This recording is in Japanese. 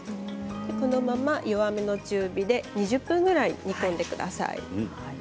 このまま弱めの中火で２０分ぐらい煮込んでください。